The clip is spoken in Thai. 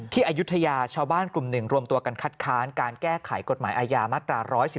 อายุทยาชาวบ้านกลุ่มหนึ่งรวมตัวกันคัดค้านการแก้ไขกฎหมายอาญามาตรา๑๑๒